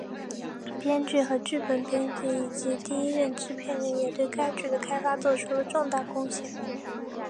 编剧和剧本编辑以及第一任制片人也对该剧的开发作出了重大贡献。